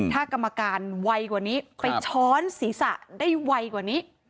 ถ้ากรรมการไวกว่านี้ไปช้อนศีรษะได้ไวกว่านี้